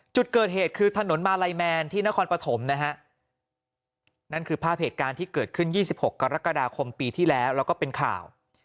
จุดเกิดเหตุคือถนนมาลัยแมนที่นครปฐมนะฮะนั่นคือภาพเหตุการณ์ที่เกิดขึ้น๒๖กรกฎาคมปีที่แล้วแล้วก็เป็นข่าว